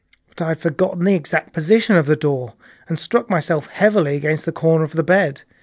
But I had forgotten the exact position of the door, and I struck myself heavily against the corner of the bed.